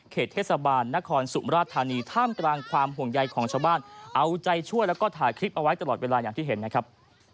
เทศบาลนครสุมราชธานีท่ามกลางความห่วงใยของชาวบ้านเอาใจช่วยแล้วก็ถ่ายคลิปเอาไว้ตลอดเวลาอย่างที่เห็นนะครับ